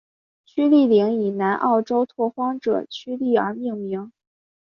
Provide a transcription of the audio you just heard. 屈利岭以南澳州拓荒者屈利而命名。